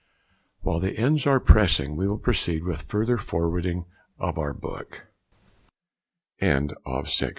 While the ends are pressing we will proceed with further forwarding our book. CHAPTER VII.